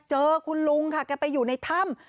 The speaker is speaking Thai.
เจอคุณลุงค่ะแกไปอยู่ในถ้ำ